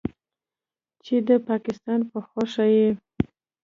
چې د پکستان په خوښه یې